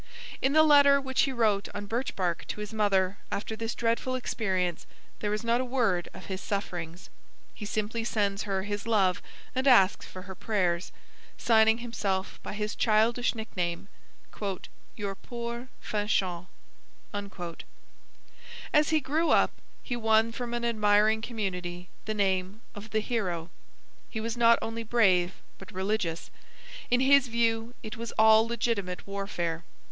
In the letter which he wrote on birch bark to his mother after this dreadful experience there is not a word of his sufferings. He simply sends her his love and asks for her prayers, signing himself by his childish nickname, 'Your poor Fanchon.' As he grew up he won from an admiring community the name of 'The Hero.' He was not only brave but religious. In his view it was all legitimate warfare.